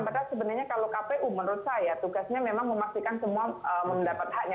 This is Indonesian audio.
padahal sebenarnya kalau kpu menurut saya tugasnya memang memastikan semua mendapat haknya